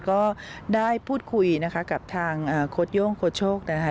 ก็ได้พูดคุยนะคะกับทางโค้ดโย่งโค้ชโชคนะคะ